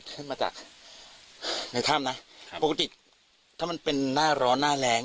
ขึ้นมาจากในถ้ำนะครับปกติถ้ามันเป็นหน้าร้อนหน้าแรง